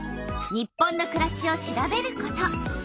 「日本のくらし」を調べること。